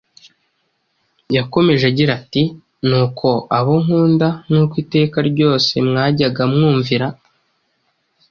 Yakomeje agira ati: “Nuko, abo nkunda, nk’uko iteka ryose mwajyaga mwumvira